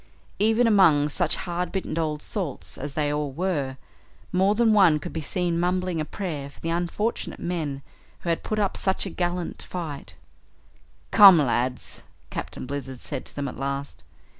Even among such hard bitten old salts as they all were, more than one could be seen mumbling a prayer for the unfortunate men who had put up such a gallant fight. "Come, lads," Captain Blizzard said to them at last.